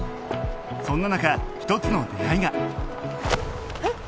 そんな中一つの出会いがえっ！？